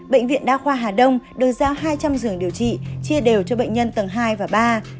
bệnh viện đa khoa hà đông được giao hai trăm linh giường điều trị chia đều cho bệnh nhân tầng hai và ba